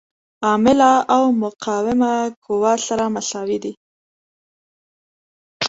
عامله او مقاومه قوه سره مساوي دي.